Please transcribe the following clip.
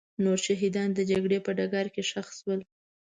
نور شهیدان د جګړې په ډګر کې ښخ شول.